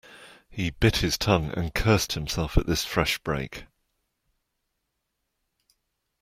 He bit his tongue, and cursed himself at this fresh break.